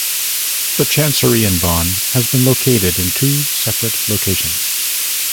The chancery in Bonn has been located in two separate locations.